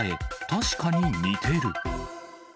確かに似てる。